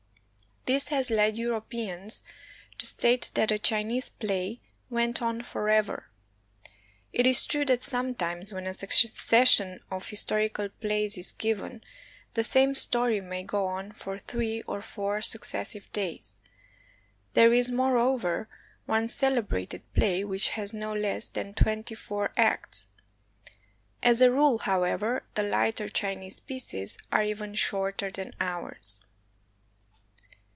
This has led Europeans to state that a Chinese play went on forever. It is true that sometimes, when a succession of historical plays is given, the same story may go on for three or four successive days. There is, moreover, one celebrated play which has no less than twenty four acts; as a rule, however, the Hghter Chinese pieces are even shorter than ours.